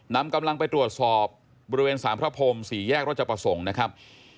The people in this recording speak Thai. นำกำลังไปตรวจสอบบริเวณสารพระพรม๔แยกรัชประสงค์นะครับ